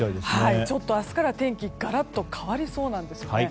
明日から天気がガラッと変わりそうなんですね。